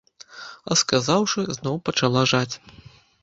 А сказаўшы, зноў пачала жаць.